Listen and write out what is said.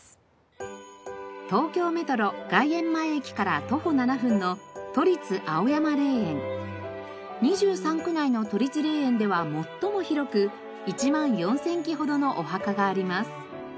東京メトロ外苑前駅から徒歩７分の２３区内の都立霊園では最も広く１万４０００基ほどのお墓があります。